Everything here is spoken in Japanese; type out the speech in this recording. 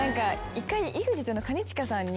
１回ＥＸＩＴの兼近さんに。